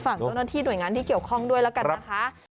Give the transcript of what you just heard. ฝั่งเจ้าหน้าที่หน่วยงานที่เกี่ยวข้องด้วยแล้วกันนะคะ